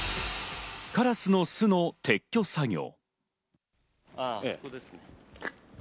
カラスの巣の撤去作業。